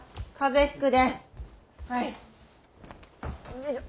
よいしょ。